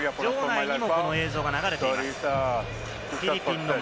場内にもこの映像が流れています。